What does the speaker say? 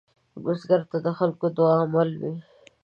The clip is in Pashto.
بزګر ته د خلکو دعاء مل وي